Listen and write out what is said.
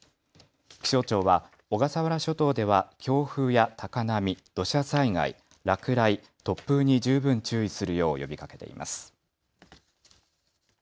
気象庁は小笠原諸島では強風や高波、土砂災害、落雷、突風に十分注意するよう呼びかけています。